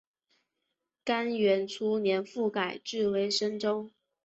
干元初年复改置为深州。